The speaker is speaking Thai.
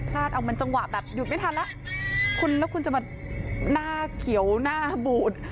เอามันจังหวะแบบหยุดไม่ทันแล้วคุณแล้วคุณจะมาหน้าเขียวหน้าบูด